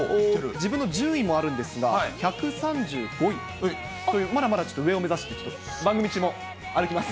自分の順位もあるんですが、１３５位という、まだまだちょっと上を目指して、番組中も歩きます。